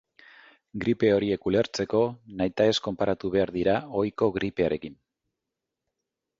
Gripe horiek ulertzeko, nahitaez konparatu behar dira ohiko gripearekin.